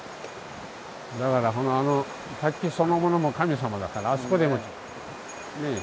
だからあの滝そのものも神様だからあそこでもねえ。